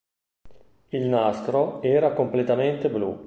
Il "nastro" era completamente blu.